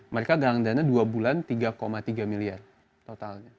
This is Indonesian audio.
mereka galang dana dua bulan tiga tiga miliar totalnya